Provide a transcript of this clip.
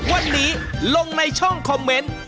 วันนี้ลงในช่องคอมเมนต์